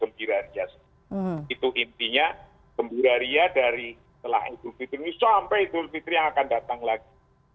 gembiraria dari telah idul fitri ini sampai idul fitri yang akan datang lagi